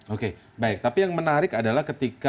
oke baik tapi yang menarik adalah ketika